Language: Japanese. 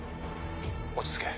落ち着け。